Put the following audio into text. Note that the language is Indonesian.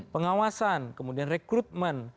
pengawasan kemudian rekrutmen